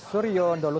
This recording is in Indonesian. terima kasih yon